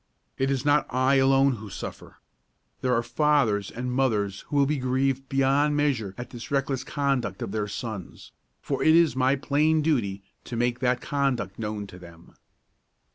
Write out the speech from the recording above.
It is not I alone who suffer; there are fathers and mothers who will be grieved beyond measure at this reckless conduct of their sons, for it is my plain duty to make that conduct known to them.